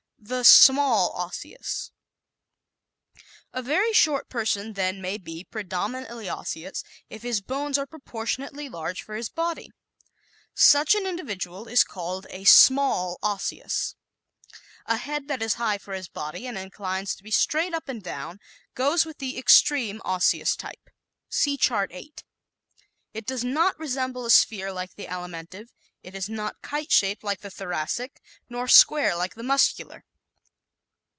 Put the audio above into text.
The "Small Osseous" ¶ A very short person then may be predominantly Osseous if his bones are proportionately large for his body. Such an individual is called a "Small Osseous." A head that is high for his body and inclines to be straight up and down goes with the extreme Osseous type. (See Chart 8) It does not resemble a sphere like the Alimentive, is not kite shaped like the Thoracic, nor square like the Muscular.